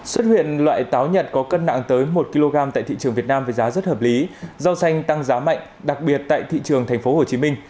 xuất huyện loại táo nhật có cân nặng tới một kg tại thị trường việt nam với giá rất hợp lý rau xanh tăng giá mạnh đặc biệt tại thị trường tp hcm